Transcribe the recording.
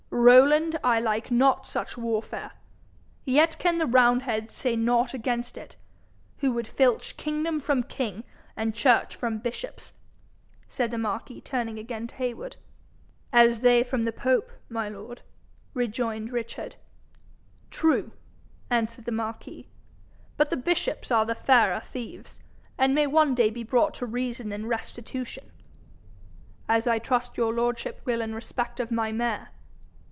'Rowland, I like not such warfare. Yet can the roundheads say nought against it, who would filch kingdom from king and church from bishops,' said the marquis, turning again to Heywood. 'As they from the pope, my lord,' rejoined Richard. 'True,' answered the marquis; 'but the bishops are the fairer thieves, and may one day be brought to reason and restitution.' 'As I trust your lordship will in respect of my mare.'